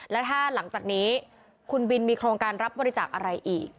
แล้วถ้าหลังจากนี้คุณบินมีโครงการรับบริจาคอะไรอีก